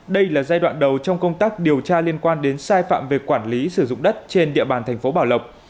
đây là giai đoạn đầu trong công tác điều tra liên quan đến sai phạm về quản lý sử dụng đất trên địa bàn thành phố bảo lộc